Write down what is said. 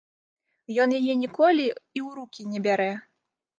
Ён яе ніколі і ў рукі не бярэ.